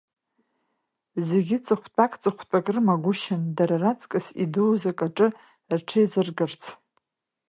Зегьы ҵыхәтәак-ҵыхәтәак рымагәышьан, дара раҵкыс идууз акаҿы рҽеизыргарц.